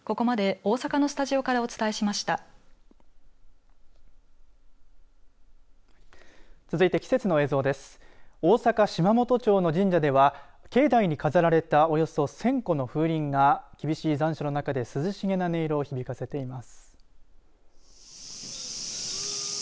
大阪島本町の神社では境内に飾られたおよそ１０００個の風鈴が厳しい残暑の中で涼しげな音色を響かせています。